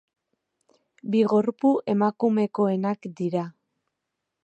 Bi gorpu emakumekoenak dira.